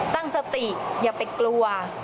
ตั้งสติอย่าไปกลัว